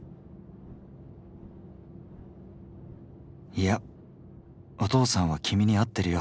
いやお父さんは君に会っているヨ。